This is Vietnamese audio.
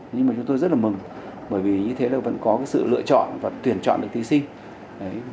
nhưng mà chúng tôi rất là mừng bởi vì như thế là vẫn có sự lựa chọn và tuyển chọn được thí sinh